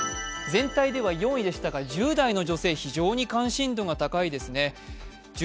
全体では４位でしたが、１０代の女性、非常に関心度が高いですね。